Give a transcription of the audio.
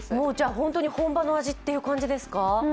本当に本場の味っていう感じですか？